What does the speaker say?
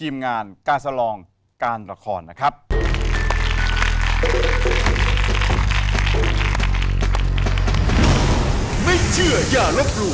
ไม่เชื่อย่ารบหลู่